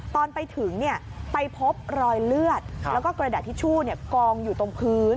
ตอนไปถึงไปพบรอยเลือดแล้วก็กระดาษทิชชู่กองอยู่ตรงพื้น